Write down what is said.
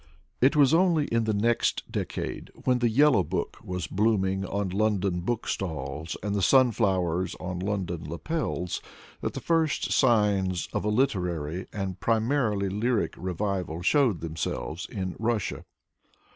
It was only in the next decade, when the Yellow Book was blooming on London bookstalls and the sunflowers on London lapels, that the first signs of a literary, and primarily lyric revival showed themselves in Russia.